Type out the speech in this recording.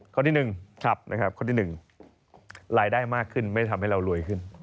ข้อที่๑นะครับข้อที่๑รายได้มากขึ้นไม่ได้ทำให้เรารวยขึ้น